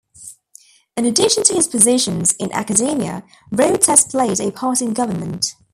In addition to his positions in academia, Rhodes has played a part in government.